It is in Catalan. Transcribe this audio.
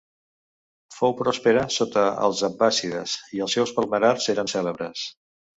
Fou pròspera sota els abbàssides i els seus palmerars eren cèlebres.